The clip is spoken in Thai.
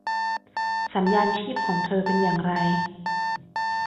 สัญญาณชีพของเธอเป็นอย่างไร